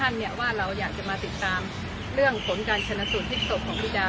ท่านเนี่ยว่าเราอยากจะมาติดตามเรื่องผลการชนสูญทิศสกของวิดา